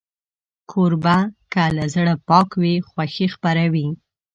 کوربه که له زړه پاک وي، خوښي خپروي.